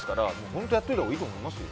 本当やっておいたほうがいいと思いますよ。